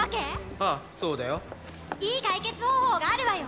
ああそうだよいい解決方法があるわよ